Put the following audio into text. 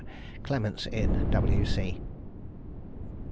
"Clement's Inn, W.C."